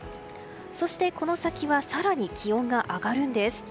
そして、この先は更に気温が上がるんです。